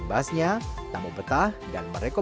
yang digunakan itu betul betul mereka